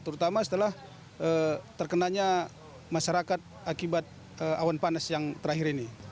terutama setelah terkenanya masyarakat akibat awan panas yang terakhir ini